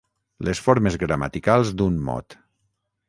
Les formes gramaticals d'un mot.